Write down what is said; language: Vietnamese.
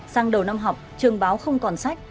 sang đầu năm học trường báo không còn sách